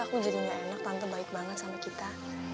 aku jadinya enak tante baik banget sama kita